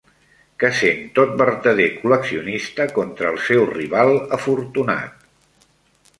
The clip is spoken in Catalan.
Que sent tot vertader col·leccionista contra el seu rival afortunat.